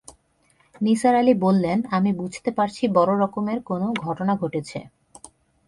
নিসার আলি বললেন, আমি বুঝতে পারছি বড় রকমের কোনো ঘটনা ঘটেছে।